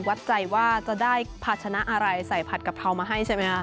วัดใจว่าจะได้ภาชนะอะไรใส่ผัดกะเพรามาให้ใช่ไหมคะ